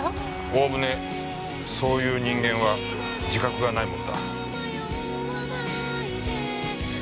おおむねそういう人間は自覚がないもんだ。